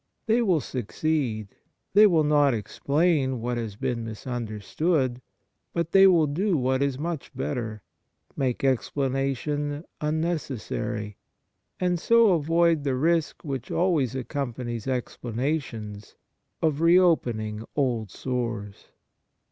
They will succeed ; they will not explain what has been misunderstood, but they will do what is much better — make explanation unnecessary, and so avoid the risk which always accompanies explana tions of reopening old sores.